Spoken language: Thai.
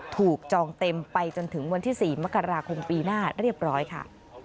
จองเต็มไปจนถึงวันที่๔มกราคมปีหน้าเรียบร้อยค่ะ